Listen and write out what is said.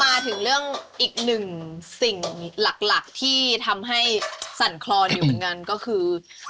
อืมอืมอืมอืมอืมอืมอืมอืมอืมอืมอืม